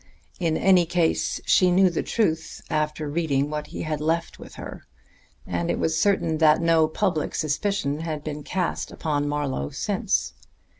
In any case, she knew the truth after reading what he had left with her; and it was certain that no public suspicion had been cast upon Marlowe since.